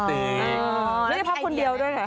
ไม่ได้พักคนเดียวด้วยเหรอ